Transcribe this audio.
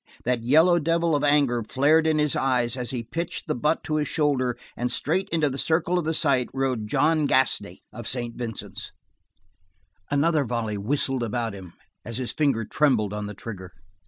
That yellow devil of anger flared in his eyes as he pitched the butt to his shoulder and straight into the circle of the sight rode Johnny Gasney of St. Vincent. Another volley whistled about him and his finger trembled on the trigger.